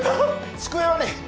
机はね